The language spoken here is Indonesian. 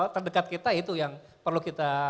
terdekat kita itu yang perlu kita